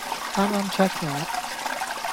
啱啱 check 咗